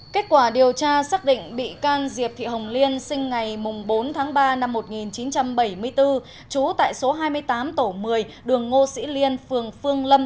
kết quả điều tra xác định bị can diệp thị hồng liên sinh ngày bốn tháng ba năm một nghìn chín trăm bảy mươi bốn trú tại số hai mươi tám tổ một mươi đường ngô sĩ liên phường phương lâm